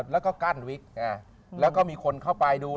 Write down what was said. แล้วก็กั้นวิกแล้วก็มีคนเข้าไปดู